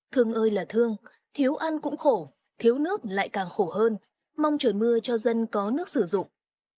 thường ơi là thương thiếu ăn cũng khổ thiếu nước lại càng khổ hơn mong trời mưa cho dân có nước sử dụng